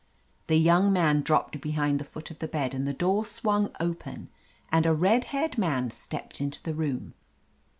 The young man dropped behind the foot of the bed, the door swung open and a red haired man stepped into the room.